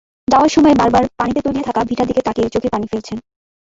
যাওয়ার সময় বারবার পানিতে তলিয়ে থাকা ভিটার দিকে তাকিয়ে চোখের পানি ফেলছেন।